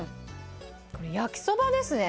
これ、焼きそばですね。